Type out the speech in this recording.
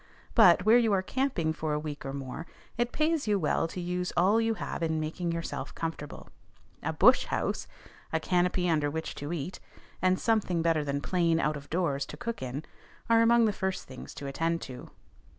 But, where you are camping for a week or more, it pays you well to use all you have in making yourself comfortable. A bush house, a canopy under which to eat, and something better than plain "out of doors" to cook in, are among the first things to attend to.